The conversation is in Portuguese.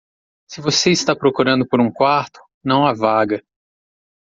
Se você está procurando por um quarto, não há vaga.